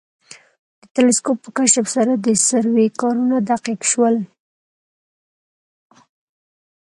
د تلسکوپ په کشف سره د سروې کارونه دقیق شول